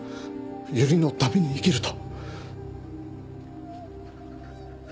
由梨のために生きると。